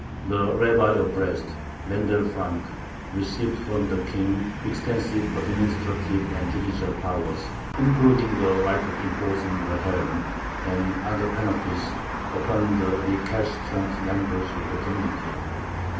The rabbi of Brest, Mendel Frank, received from the King extensive administrative and judicial powers, including the right of imposing the herem and other penalties upon the recalcitrant members of the community (1531).